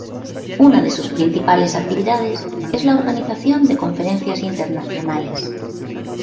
Una de sus principales actividades es la organización de conferencias internacionales.